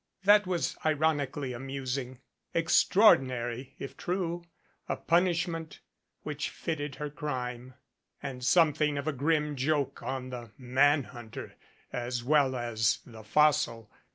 That was ironically amusing, extraordinary, if true, a punishment which fitted her crime, and some thing of a grim joke on the man hunter as well as the fossil.